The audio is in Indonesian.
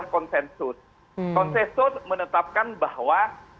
konsesor menetapkan bahwa